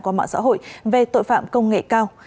qua mạng xã hội về tội phạm công nghệ cao